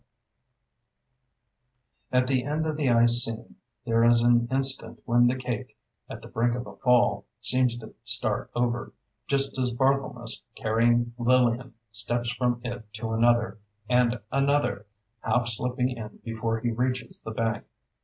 [Illustration: "ANNA MOORE"] At the end of the ice scene, there is an instant when the cake, at the brink of a fall, seems to start over, just as Barthelmess, carrying Lillian, steps from it to another, and another, half slipping in before he reaches the bank.